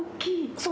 そう。